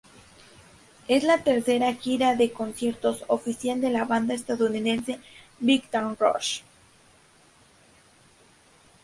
Es la tercera gira de conciertos oficial de la banda estadounidense Big Time Rush.